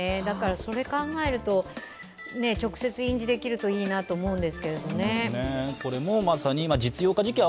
それを考えると、直接印字できるといいなと思うんですけどね。